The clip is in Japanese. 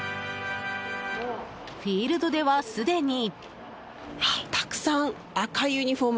フィールドでは、すでに。